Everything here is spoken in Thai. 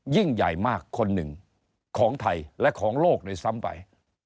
ยิ่งใหญ่มากคนหนึ่งของไทยและของโลกด้วยซ้ำไป